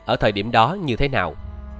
ở thời điểm đó như thế nào